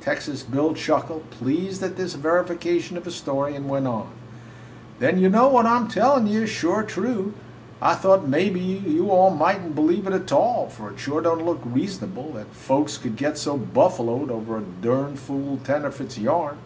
Texas Bill chuckled, pleased at this verification of his story, and went on: "Then you know what I 'm tellin' you is sure true! I thought mebbe you all mightn't believe it, a tall, for it sure don't look reasonable that folks could get so buffaloed over a durn fool tenderfoot's yarn.